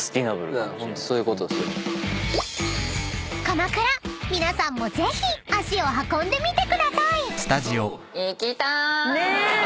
［鎌倉皆さんもぜひ足を運んでみてください］ね！